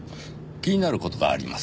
気になる事があります。